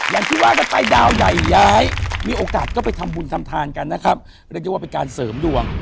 อย่างที่ว่ากันไปดาวใหญ่ย้ายมีโอกาสก็ไปทำบุญทำทานกันนะครับเรียกได้ว่าเป็นการเสริมดวง